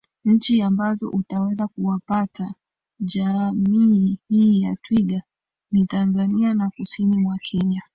Nchi ambazo utaweza kuwapata jaami hii ya twiga ni Tanzania na Kusini mwa Kenya